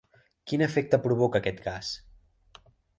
Quin efecte provoca aquest gas?